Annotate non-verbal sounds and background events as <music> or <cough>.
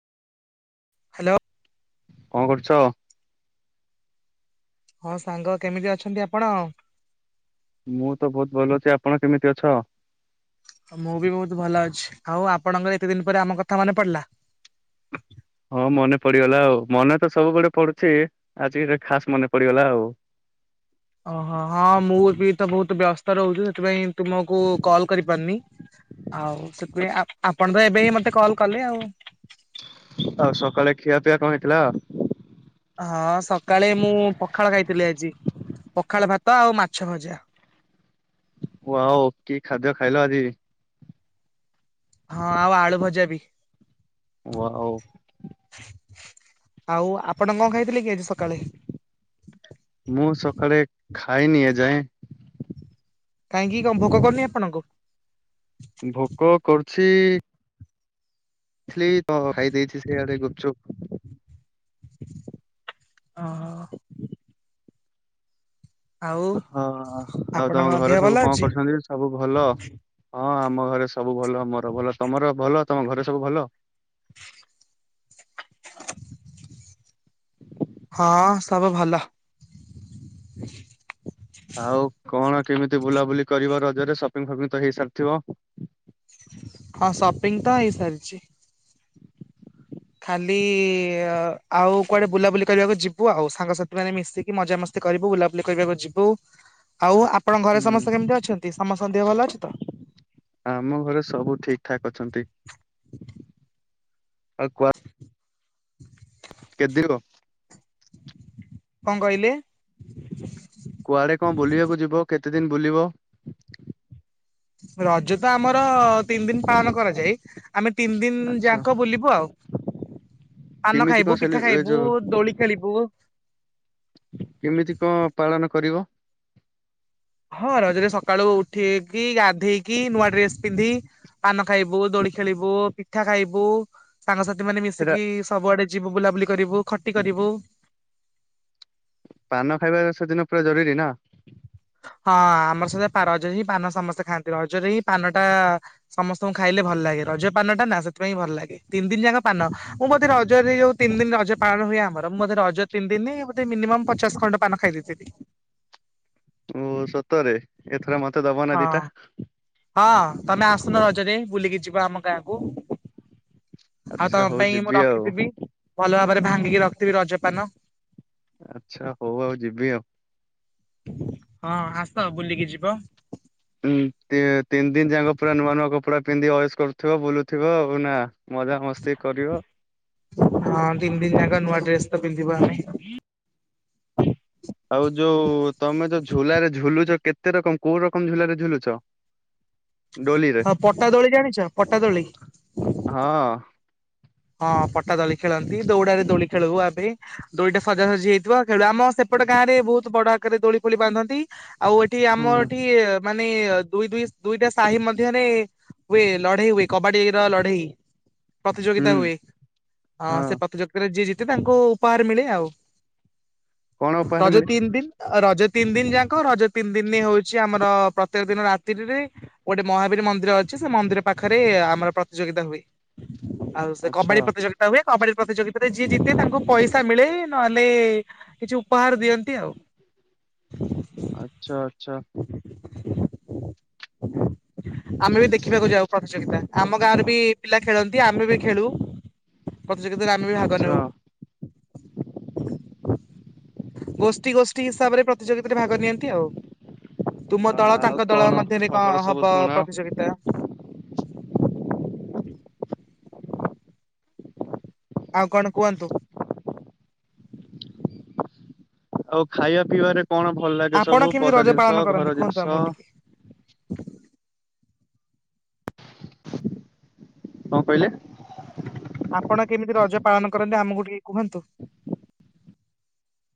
Hello. କଣ କରୁଛ? ହଁ ସାଙ୍ଗ କେମିତି ଅଛନ୍ତି ଆପଣ? ମୁଁ ତ ବହୁତ ଭଲ ଅଛି, ଆପଣ କେମିତି ଅଛ? ମୁଁ ବି ବହୁତ ଭଲ ଅଛି ଆଉ ଆପଣଙ୍କ ଏତେ ଦିନ୍ ପରେ ଆମ କଥା ମାନେ ପଡିଲା? ହଁ ମନେ ପଡିଗଲା ଆଉ। ମନେ ତ ସବୁବେଳେ ପଡୁଛି ଆଜି ଏଦେ ଖାସ ମନେ ପଡିଗଲା ଆଉ। ଓହୋ ହଁ ମୁଁ ବି ତ ବହୁତ ବ୍ୟସ୍ତ ରହୁଛି ତ ସେଥିପାଇଁ ତୁମକୁ କଲ କରିପାରୁନି ଆଉ ସେଥିପାଇଁ ଆଚ୍ଛା, ଆ ଆପଣ ତ ଏବେ ଏ ମତେ କଲ କଲେ ଆଉ। ଆଉ ସକାଳେ ଖିଆପିଆ କଣ ହେଇଥିଲା? ହଁ ସକାଳେ ମୁଁ ପଖାଳ ଖାଇଥିଲି ଆଜି। ପଖାଳ ଭାତ ଆଉ ମାଛ ଭଜା। ୱାଓ କି ଖାଦ୍ୟ ଖାଇଲ ଆଜି? ହଁ ଆଉ ଆଳୁ ଭଜା ବି। ୱାଉ। ଆଉ ଆପଣ କଣ ଖାଇଥିଲେ କି ଆଜି ସକାଳେ? ମୁଁ ସକାଳେ ଖାଇନି ଏଯାଏଁ। କାହିଁକି କଣ ଭୋକ କରିନି ଆପଣଙ୍କୁ? ଭୋକ କରୁଛି ଥ୍ରି କଣ କଣ ଖାଇ ଦେଇଛି ସିଆଡେ ଗୁପଚୁପ୍। ହଁ। ଆଉ ହଁହଁ ହଁ ଆଉ ଆପଣଙ୍କ ତମ ଘରେ ଦେହ ଭଲ ସବୁ କଣ ଅଛି? କରୁଛନ୍ତି ସବୁ ଭଲ? ହଁ ଆମ ଘରେ ସବୁ ଭଲ। ମୋର ଭଲ ତମର ଭଲ ତମ ଘରେ ସବୁ ଭଲ? ହଁ ସବୁ ଭଲ। ଆଉ କଣ କେମିତି ବୁଲାବୁଲି କରିବ ରଜରେ ସପିଙ୍ଗ ଫପିଙ୍ଗ ତ ହେଇସାରିଥିବ? ହଁ ସପିଙ୍ଗ ତ ହେଇ ସାରିଛି। ଖାଲି ଆଉ କୁଆଡେ ବୁଲାବୁଲି କରିବାକୁ ଯିବୁ ଆଉ। ସାଙ୍ଗସାଥି ମାନେ ମିଶିକି ମଜା ମସ୍ କରିବୁ ବୁଲାବୁଲି କରିବାକୁ ଯିବୁ ଆଉ ଆପଣଙ୍କ ଘରେ ସମସ୍ତେ ହୁଁ କେମିତି ଅଛନ୍ତି ସମସ୍ତଙ୍କ ଦେହ ଭଲ ଅଛିତ? ଆମ ଘରେ ସବୁ ଠିକ୍ ଠାକ୍ ଅଛନ୍ତି ଆଉ କୁ <unintelligible> କଁ କହିଲେ? କୁଆଡ଼େ କଁ ବୁଲିବାକୁ ଯିବ କେତେ ଦିନ ବୁଲିବ? ରଜତ ଆମର ତିନି ଦିନ ପାଳନ କରାଯାଏ ଆମେ ତିନି ଦିନି ଆଚ୍ଛା ଯାକ ବୁଲିବୁ ଆଉ। ପାନ କେମିତି କଣ ଖାଇବୁ ସେଲି ପିଠା ଏ ଖାଇବୁ ଯୋଉ ଦୋଳି ଖେଳିବୁ କେମିତି କଁ ପାଳନ କରିବ? ହଁ ରଜରେ ସକାଳୁ ଉଠିକି ଗାଧେଇକି ନୂଆ ଡ୍ରେସ୍ ପିନ୍ଧି ପାନ ଖାଇବୁ ଦୋଳି ଖେଳିବୁ ପିଠା ଖାଇବୁ ସାଙ୍ଗସାଥି ମାନେ ସେଇଟା ମିଶିକି ସବୁଆଡ଼େ ଯିବୁ ବୁଲାବୁଲି କରିବୁ ଖଟି କରିବୁ ପାନ ଖାଇବା ସେଦିନ ପୁରା ଜରୁରୀନା? ହଁ ଆମର ସବୁ ରଜରେହିଁ ପାନ ସମସ୍ତେ ଖାଆନ୍ତି ରଜରେହିଁ ପାନଟା ସମସ୍ତଙ୍କୁ ଖାଇଲେ ଭଲ ଲାଗେ ରଜ ପାନଟାନା ସେଥିପାଇଁ ଭଲ ଲାଗେ ତିନି ଦିନ ଯାକ ପାନ ମୁଁ ବୋଧେ ରଜରେ ଯଉତିନି ଦିନ ରଜ ପାଳନ ହୁଏ ଆମର ମୁଁ ବୋଧେ ରଜ ତିନ ଦିନି ବୋଧେ ମିନିମମ୍ ପଚାଶ ଖଣ୍ଡ ପାନ ଖାଇଦେଇ <unintelligible> ଓ ସତରେ ଏଥର ମତେ ଦବନା ହଁ ଦିଟା? ହଁ ତମେ ଆସୁନ ରଜରେ ବୁଲିକି ଯିବ ଆମ ଗାଁକୁ? ଆଉ ଆଚ୍ଛା ତମ ହଉ ପାଇଁ ମୁଁ ଯିବି ଆଉ ରଖିଥିବି ଭଲ ଭାବରେ ଭାଙ୍ଗିକି ରଖିଥିବି ରଜପାନ? ଆଚ୍ଛା ହଉ ଆଉ ଯିବି ଆଉ। ହଁ ଆସ ବୁଲିକି ଯିବ। ଉଁ ତି ତିନି ଦିନ ଯାକ ପୁରା ନୂଆ ନୂଆ କପଡ଼ା ପିନ୍ଧି ଅଏସ୍ କରୁଥିବ ବୁଲୁଥିବ ଆଉ ନା? ମଜାମସ୍ତି କରିବ। ହଁ ତିନି ଦିନ ଯାକ ନୂଆ ଡ୍ରେସ ତ ପିନ୍ଧିବ ଆମେ ଆଉ ଯୋଉ ତମେ ଯୋଉ ଝୁଲାରେ ଝୁଲୁଚ କେତେ ରକମ କୋଉ ରକମ ଝୁଲାରେ ଝୁଲୁଚ? <inaudible> ହଁ ପଟାଦୋଳି ଜାଣିଚ ପଟାଦୋଳି? ହଁ। ହଁ ପଟା ଦୋଳି ଖେଳନ୍ତି ଦୌଡ଼ାରେ ଦୋଳି ଖେଳୁ ଆମେ ଦୋଳିଟା ସଜାସଜି ହେଇଥିବ ଖେଳୁ ଆମ ସେପଟ ଗାଁରେ ବହୁତ୍ ବଡ଼ ଆକାରରେ ଦୋଳି ଫୋଳି ବାନ୍ଧନ୍ତି। ଆଉ ଏଠି ଆମର ହୁଁ ଏଠି ମାନେ ଦୁଇ ଦୁଇ ଦୁଇଟା ସାହି ମଧ୍ୟରେ ହୁଏ ଲଢେଇ ହୁଏ କବାଡ଼ିର ଲଢେଇ ତା ହୁଁ ହୁଏ ହଁ ସେ ପ୍ରତିଯୋଗତାରେ ଯିଏ ଜିତେ ତାଙ୍କୁ ଉପହାର ମିଳେ ଆଉ। କଣ ଉପହାର ରଜ ମିଳେ? ତିନି ଦିନି ରଜ ତିନି ଦିନି ଯାକ ରଜ ତିନି ଦିନ ହଉଚି ଆମର ପ୍ରତ୍ୟେକ ଦିନ ରାତିରେ ଗୋଟେ ମହାବୀର ମନ୍ଦିର ଅଛି ସେମନ୍ଦିର ପାଖରେ ଆମର ପ୍ରତିଯୋଗିତା ହୁଏ। ଆଉ ସେ ଆଚ୍ଛା କବାଡ଼ି ପ୍ରତିଯୋଗିତା ହୁଏ କବାଡ଼ି ପ୍ରତିଯୋଗିତାରେ ଯିଏ ଜିତେ ତାଙ୍କୁ ପଇସା ମିଳେ ନହେଲେ କିଛି ଉପହାର ଦିଅନ୍ତି ଆଉ। ଆଚ୍ଛା ଆଚ୍ଛା। ଆମେବି ଦେଖିବାକୁ ଯାଉ ପ୍ରତିଯୋଗିତା ଆମ ଗାଁରେବି ପିଲା ଖେଳନ୍ତି ଆମେବି ଖେଳୁ ପ୍ରତିଯୋଗିତାରେ ଆମେବି ଭାଗ ଆଚ୍ଛା ନଉ <inaudible> ଗୋଷ୍ଠୀ ଗୋଷ୍ଠୀ ହିସାବରେ ପ୍ରତିଯୋଗିତାରେ ଭାଗ ନିଅନ୍ତି ଆଉ। ତୁମ ଦଳ ଆଉ ତାଙ୍କ ଦଳ କଣ ମଧ୍ୟରେ ଖବର କଣ ସବୁ ହବ ଶୁଣାଅ? ପ୍ରତିଯୋଗିତା ଆଉ କଣ କୁହନ୍ତୁ? ଆଉ ଖାଇବା ପିଇବାରେ କଣ ଭଲ ଲାଗେ ଆପଣ ସବୁ, କେମିତି ପଦା ରଜ ପାଳନ ଜିନିଷ, କରନ୍ତି ଘର କୁହନ୍ତୁ ଜିନିଷ? ଆମକୁ ଟିକେ କଣ କହିଲେ? ଆପଣ କେମିତି ରଜ ପାଳନ କରନ୍ତି, ଆମକୁ ଟିକେ କୁହନ୍ତୁ?